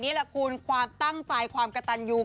นี่แหละคุณความตั้งใจความกระตันยู